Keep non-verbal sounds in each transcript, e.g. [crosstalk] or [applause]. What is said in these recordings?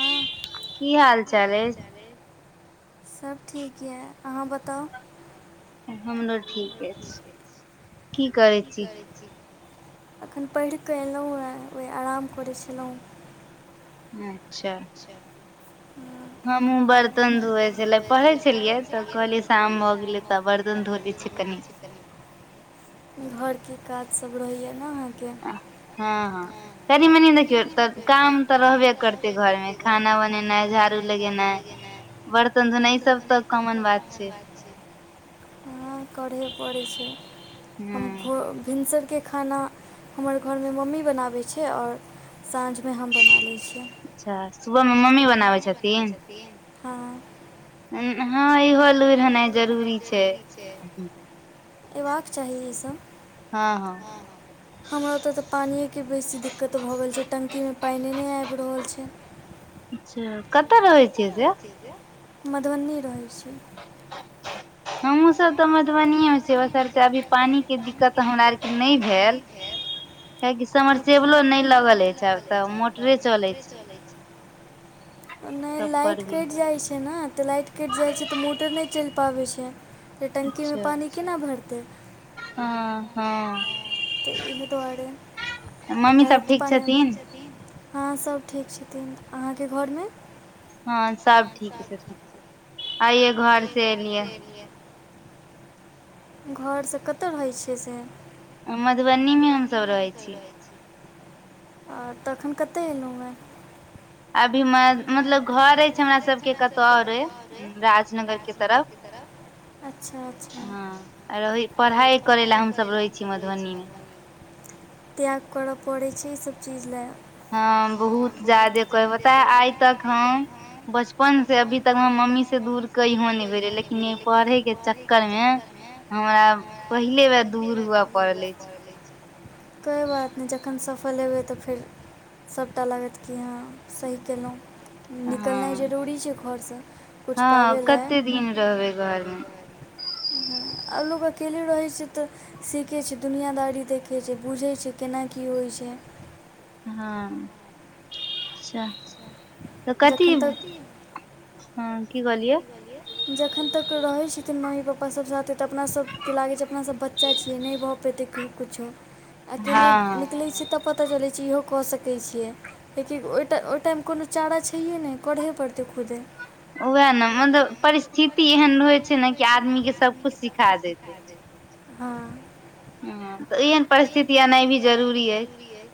हँ की हाल चाल ऐ सब ठीक ये अहाँ बताउ हमरो ठीक अछि की की करै छी एखन पढ़ि कऽ अयलहुँ एँ ओहि आराम करै छलहुँ हूँ [inaudible] अच्छा ह हमु बरत बर्तन धोऐ छलै पढ़ै छलियै तऽ कहलियै शाम भऽ गेलै तऽ बर्तन धो ले छियै कनि घर की काज सब रहैया न हँ ह कनि मनि देखियौ तऽ काम तऽ रहबे करतै घरमे खाना बनेनाइ झाड़ू लगेनाइ बर्तन घोनाय ई सब तऽ कमन बात छै ह करहे पड़ै छै हम भो भिनसर के खाना हमर घरमे मम्मी बनाबै छै आओर अच्छा सुबहमे मम्मी बनाबै छथिन हँ हँ इहो लुरि होेनाइ जरूरी छै अयबाक चाही ई सब हमरा ओतऽ तऽ पानिये के बेसी दिक्कत छै टंकी मे पानिए नहि आबि रहल छै अच्छा कतय रहै छियै से मधुबनी रहै छी हमहुँ सब तऽ मधुबनीए में छी बसर्ते अभी भी पानिके दिक्कत हमरा आरके नहि भेल कियकि समरसेबलो नहि लगल रहइ छै आब तऽ मोटरे चलै छै नहि लाइट कटि जाइ छै ने तऽ लाइट कटि जाइ छै तऽ मोटर नहि चलि पाबै छै तऽ टंकीमे पानि केना भरतै हँ त इह दुआरे अ दत पन हँ सब ठीक छथिन अहाँके घरमे हँ सब ठीक छथिन आइे घर से एलियै घरसँ कतय रहै छियै से ओ मधुबनी मे हमसभ रहै छी आ तखन कतय अयलहु एँ अभी मे मतलब घर अछि हमरा सबके कतहु आओरे राजनगर के तरफ तरफ अच्छा अच्छा रही पढ़ाइ करै ला हमस रहै छी मधुबनी में त्याग करय पड़ैत छै ईसभ चीज ला हँ बहुत जादे कह बता आइ तक हम बचपन से अभी तक हम मम्मी से दूर कहिओ नहि भेले लेकिन इ पढ़े के चक्कर मे हमरा अब पहिले बे दूर हुअ पड़ल अछि सफल हेबै तऽ फेर सभटा लागत कि हँ सही केलहुँ निकलनाइ जरूरी छै घरसँ कुछ पाबै ला आब लोको अकेले रहै छै तऽ सीखै छै दुनियादारी देखै छै बुझैत छै केना की होइ छै [inaudible] हँ अच्छा तऽ कथी हँ की कहलियै जखन तक रहैत छथिन मम्मी पापा सभ साथे तऽ अपना सबके लागै छै अपना सब बच्चा छियै नहि भऽ कुछो अकेले निकले छै तब पता चले छै इहो कऽ सकैत छियै किएकि ओहि ओहि टाइममे कोनो चारा छैहे नहि करहे पड़तै खुदे उएह ने मतलब परिस्थिति एहन होय छै ने कि आदमी के सबकुछ सि खा देत अछि हँ ह त एहेन परिथिति एना भी जरूरी ह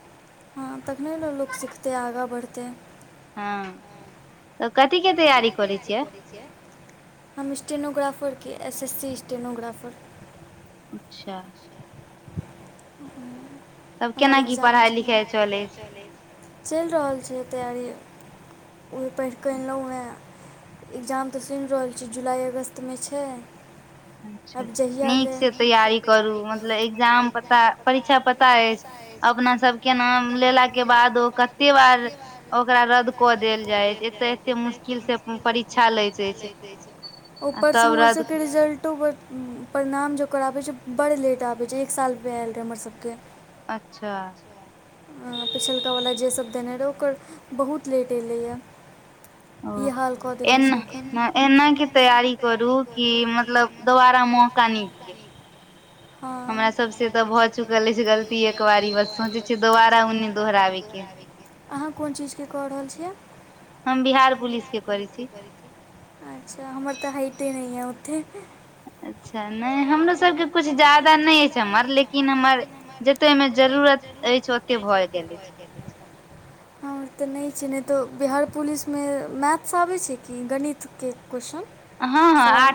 हँ तखने ने लोक सीखतै आगाँ बढ़तै हँ त कथी के तैयारी करै छिये हम स्टेनोग्राफर के एस एस सी स्टेनोग्राफर अच्छह हं हमर एग्जाम छैला परहाय लिखाई चले छै चलि रहल तैयारी ओही पढ़िकऽ अनलहुँ हँ एग्जाम तऽ सुनि रहल छी जुलाइ अगस्तमे छैय अच्छह नीकसँ तैयारी करू मतलब एग्जाम पता परीक्षा पता अछि अपना सब के नाम लेला के बाद ओ कते बार ओकरा रद्द कऽ देल जाय अछि एते एते मुश्किल से परीक्षा लैत अछि ऊपर स हमर सब के रीज रल्टो पर परिणाम जो कराबे छै बड़ लेट आबे छै एक साल पैआयल रहे हमर सबके अच्छाह पिछलका वाला जे सब देने रहै ओकर बहुत लेट एलए या इ हाल एना एना के तैयारी करू कि मतलब दोबारा मौका नइ दिये [inaudible] हमरा सब से तऽ ज भ भ चुकल अच्छी गलती एक बारी बस सोचै छियै दोबार नई दोहराबे के अहाँ कोन चीज के कऽ रहल छियै हम बिहार पुलिस के करैई छी अच्छह हमार त हाइटे नै य [unintelligible] अच्छा नइ हमरो सबके किछु ज्यादा नहि अछि हमर लेकिन लेकिन हमर जते ओहिमे जरुरत अछि ओते भए गेल अछि हमर तऽ नहि छै नहि तऽ बिहार पुलिसमे मैथ्स आबैत छै कि गणितके क्वेश्चन सवाल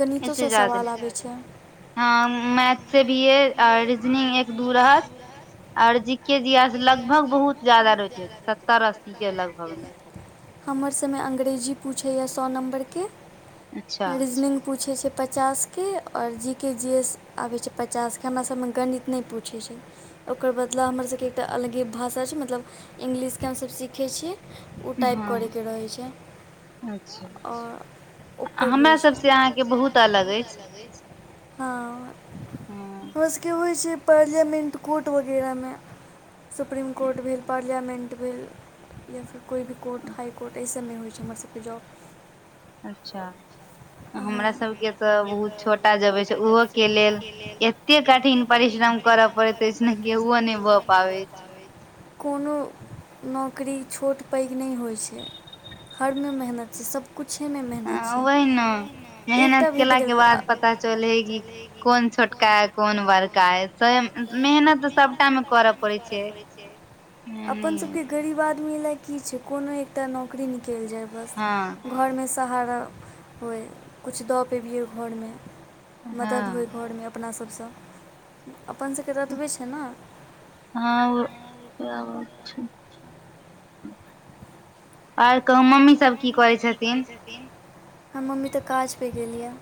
गणितोसँ सवाल आबै छै हँ मैथ से भी ये रीजनिंग एक दू रहत आर जि के जि एस लगभग बहुत जदा रहे छै सत्तर अस्सी के लगभग मे अंग्रेजी पुछैए य सौ नम्बर के रीजनिंग पुछैए छै पचासके आओर जी के जी ए आबै छै पचासके हमरा सबमे गणित नै पूछै छै ओकर बदलाव हमरसभके एकटा अलगे भाषा छै मतलब इंग्लिशकेँ हमसभ सीखैय छियै ओ टाइप करयके रहै छै आओर ओकर होइत छै हमरा सभ से अहाँके बहुत अलग अछि हँ हमरासके होइ छै पार्लियामेंट कोर्ट वगैरह मे सुप्रीम कोर्ट भेल पार्लियामेन्ट भेल या फेर कोइ भी कोर्ट हाइ कोर्ट अइ नै होय छै हमर सबके जॉव अच्छा [inaudible] हमरा सब के तऽ बहुत छोटा जे अबैत छै उहो के लेल एते कठिन परिश्रम करब पड़ैत ऐछ ना कि उहो नई भऽ पाबैत अछि कोनो नौकरी छोट पैग नै होइ छै हरमे मेहनत छै सभ कुछे मे मेहनत छैय तेय न मेहनत केलाक के बाद पता चल हे कि कोन छोटका हइ कोन बड़का हइ सहि मेहनतऽ सबटा म करऽ पड़ैत छै अपन सभके गरीब आदमी लए की छै कोनो एकटा नौकरी निकलि जाय बस घरमे सहारा होइ किछु दऽ पयबियै घरमे मदद होइ घरमे अपना सभसँ अपन सभके रतबे छै न हँ वैह वात छै ओर कहू मम्मी सब की करै छथिन हम मम्मी तऽ काज पर गेलया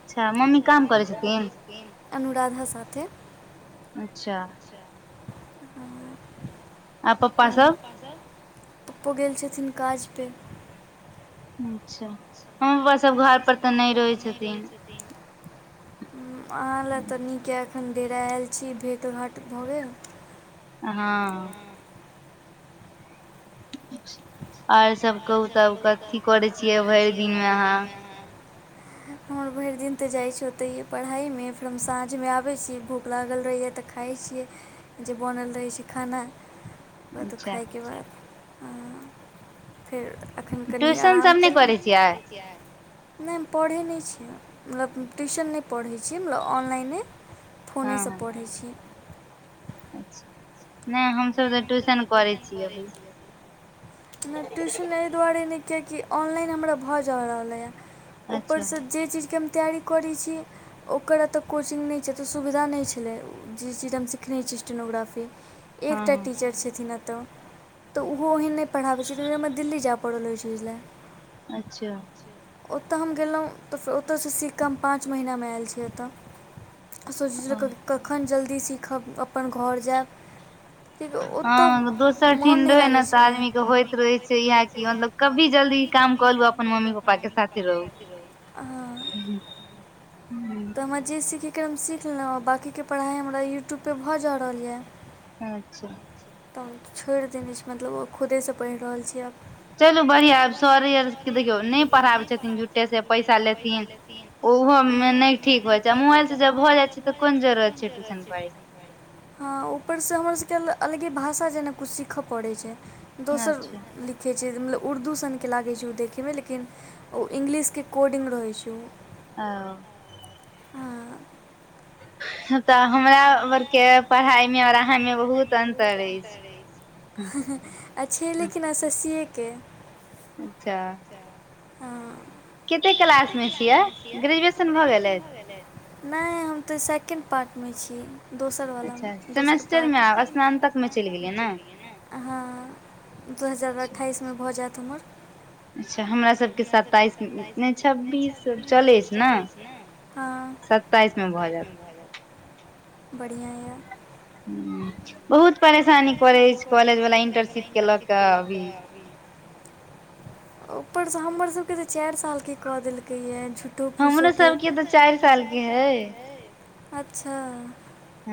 अच्छा मम्मी काम करै छथिन अनुराधा साथे अच्छा पप्पो गेल छथिन काज पे अच्छा घर पर तऽ नै रहैत छथिन अहाँ ल तऽ नीक य हम डेरा आयल छी भेँट घाँट भऽ गेल हँ और सभ कहु तब कथी करै छियै भैर दिनमे अहाँ [inaudible] हमर भैर दिन तऽ जाइ छै ओतैहिये पढ़ाइमे फेर हम साँझमे आबै छी भूख लागल रहैए तऽ खाइ खाइ छियै जे बनल रहैत छै खाना खैयके बाद फेर अखन कनि आराम केलु टियूसन सन नै पैढ़ै छियै नहि हम पढ़ैय नहि छियै मतलब ट्यूशन नहि पढ़ैय छी छी मतल ऑनलाइने फोने सँ पढ़ैत छी अच्छा नहि हमसभ तऽ ट्यूशन करै छि अभी नहि ट्यूशन एहि दुआरे नहि कियाकी ऑनलाइन हमरा भऽ जा रहलैए उपरसँ जे चीजके तैयारी करै छी ओकर एतय कोचिंग नहि छै एतऽ सुविधा नहि छलै जे चीज हम सिखने छी स्टोनोग्राफि एकटा टीचर छथिन अतए त ओहो ओहन नै पढ़ाबै छी तऽमे दिल्ली जा पड़ल अछि वोइला अच्छा ओतय हम गेलहुँ तऽ फेर ओतयसँ सिकम पाँच महीनामे आयल छी एतय सोचित छलहु कख कखन जल्दी सीखब अपन घर जायब कियाकी ओतय मोन नहि लागैत छलै होइत रहे छै यैह की मतलब कभी जल्दी इ काम कअ लू अपन मम्मी पापा के साथे रहू। [inaudible] तऽ हम जे सीख हम सीखलहुँ बाँकीके पढ़ाइ हमरा यूट्यूबपर भऽ जा रहल यऽ अच्छा तऽ छोड़ि देने छी मतलब ओ खुदेसँ पढ़ि रहल छी आब चलू बढ़िआँ सरे आरके देखियौ नहि पढ़ाबै छथिन झुठेसँ पैसा लेथिन ओहोमे नहि ठीक होइ छै मोबाइल से जब भऽ जाइ छै तऽ कोन जरूरत छै ट्यूशन पढ़ै के हँ ऊपर से हमर सब अलगे भाषा जेना किुछ सीखै पड़ैत छै दोसर लिखै मतलब उर्दू सनके लागैत छै ओ देखैमे लेकिन ओ इंग्लिशके कोडिंग रहैत छै ओ [inaudible] तऽ हमरा बर के पढ़ाई मे आओर अहां मे बहुत अन्तर अछि हुं हुं अच्छे यै लेकिन एस एस सि ये के अच्छा हँ कते क्लासमे छियै ग्रेजुएशन भऽ गेलै नहि हम तऽ सेकेंड पार्ट में छी दोसर वाला दोसर पार्ट सेमेस्टर मे स्नातक मे चलि हँ दू हजार अठाइसमे भऽ जायत हमर अच्छा हमरा सभके सत्ताइस नहि छब्बीस चलै छै ने सत्तइस मे भ जायत बढ़िया य ह बहुत परेशानी करै छै कॉलेज वाला इंटर्नशिप के लऽ कऽ अभी ऊपरसँ हमर सबके तऽ चारि साल के कऽ देलकै यै झुटो-फूसो के हमरो सबके त चारि सालके यै अच्छा हू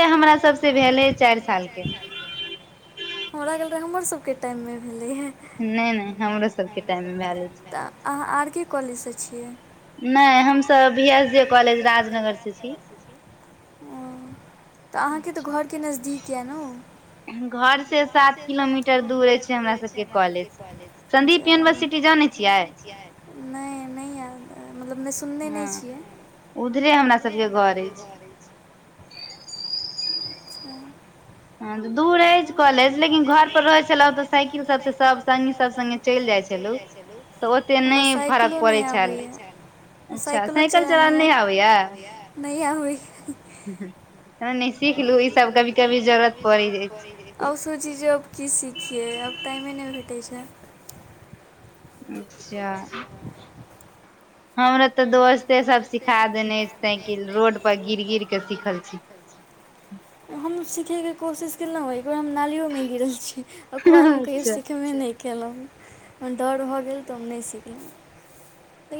शुरूए हमरा सबके भेल रहे चारि सालके हमरा भेलरहे हमर सबके के टाइम में भेलै यै हं नहि नहि हमरो सबके टाइममे भेलै हं त अहां आर के कॉलेज स नहि हम हम सब B S J college Rajnagar स छी तऽ अहाँके तऽ घरके नजदीक यै नै ओ घर से सात किलोमीटर दूर अछि हमरा सबके कॉलेज जा संदीप यूनिवर्स यूनिवर्सिटी जाने छियै नहि-नहि याद मतलब नहि सुनने नहि छियै उधरे हमरा सबके घर अछि अच्छा ह त दूर अछि कॉलेज लेकिन घर पर रहैत छलहु तऽ साइकिल सबसँ सब सङ्गी सब सगे चल चल जाइ छलहु तऽ ओते नहि फरक पड़ै छल अच्छा साइकिल चलावल नहि आबैया नहि सिख लू ई सब कभी कभी जरूरत पड़ी जाइ छै कि यै आब टाइमे नहि भेटैत छै जा हमरा तऽ दोस्ते सब सिखा देने छै साइकिल रोड पर गिर गिर के सिखल छी [inaudible] हम सीखयके कोशिश केलहुँ एक बे हम नालियओमे गिरल छी ओकर बाद हम कहियो सिखबे नहि केलहुॅँ डर भऽ गेल तऽ हम नहि सिखलहुॅँ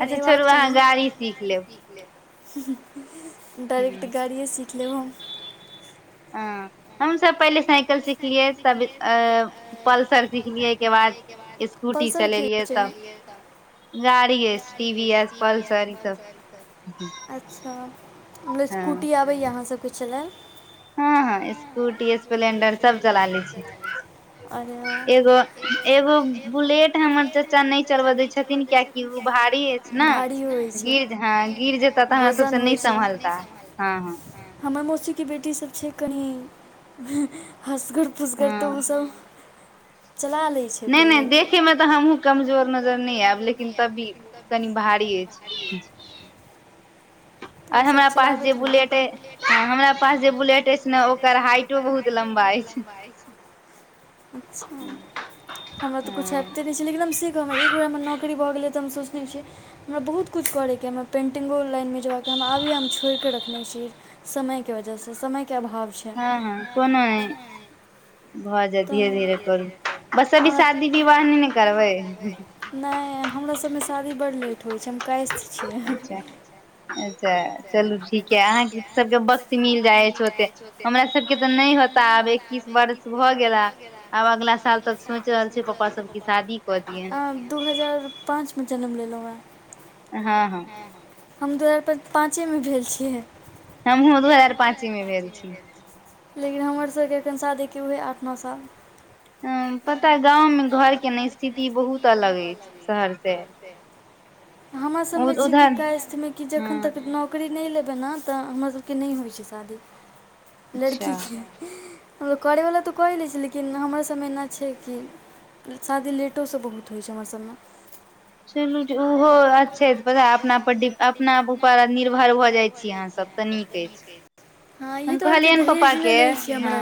अच्छा चलू अहाँ गाड़ी सीख लेब डाायरेक्ट गाड़िए सीख लेब हम हमस पहिले साइकिल सिखलियै तब अ पल्सर सिखलियै एहिके बाद स्कूटी चलेलियै तब गाड़ी अछि टी वि एस प्लसर त अच्छा मतलब स्कूटी आबैए अहाँसभके चलैल हँ स्कूटी स्पलेंडर सब चला लय छियै अरे वाह एगो एक बुलेट हमर चाचा नहि चलबा दै छथिन कियाकि भारी होइ छै गिर जेता तऽ आहा सबसँ नहि सम्हलता हँ हमर मौसीके बेटी सब छै कनि हँसगर फुसगर तऽ ओ सब चला लऽ नहि नहि देखैमे तऽ हमहहुँ कमजोर नजर नहि आयब लेकिन तबी कनि भारी अछि [inaudible] और हमरा पास जे बुलेट अय हमरा पास जे बुलेट अछि ने ओकर हाइटो बहुत लम्बा लंबाई अच्छा हमरा तऽ कुछ अबिते नहि छै लेकिन हम सीखब एक बेर नौकरी भऽ गेलै तऽ हम सोचनो छी हमरा बहुत किछु करैके हमरा पेन्टिंगो लाइनमे जबाक हम आबी हम छोड़िकऽ रखने छी समयके वजहसँ समयके अभाव छै अच्छा त घिरे घरे करू [unintelligible] हमरा सबमे शादी बड्ड लेट होइ छै हम केयस्थ छियै अच्छा चलू ठीके है अहाँ सबके वक्त मिल जाय छै ओते हमरा सबके तऽ नहि नै होता आबे एक्किस वर्ष भ भ गेल आब आब अगला साल तक सोचि रहल छै पप्पा सब जे शादी क दियै दू हजार पाँच पाँच में जन्म लेलहुँ हेँ हँ हँ हम दू हजार पाँचेमे भेल छियै हमहुँ दू हजार पाँचे मे भेल छी लेकिन हमरसभके एखन शादीके उएह आठ नओ साल पता गांव मे घर के ने स्थिति बहुत अलग अछि शहर से हमरा सभमे छै कि कयस्थ मे कि जखन तक नौकरी नहि लेबै ने तऽ हमर सबके नहि होइ छै शादी लड़की के मतलब करै वला तऽ कयै लै छै लेकिन हमरा सबमे एना छै कि शादी लेटो सँ बहुत होइ छै हमर सभमे चलू झू ओ अच्छे पता अपना पर डि अपना ऊपर निर्भर भऽ जाइ छी अहाँ सब तऽ नीक अछि हम कहलियै ने पप्पा के हँ